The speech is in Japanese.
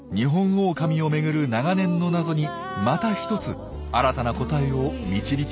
オオカミをめぐる長年の謎にまた一つ新たな答えを導き出したのです。